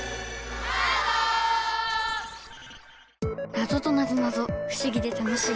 ナゾとなぞなぞ不思議で楽しい。